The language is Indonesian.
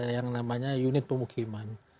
yang namanya unit pemukiman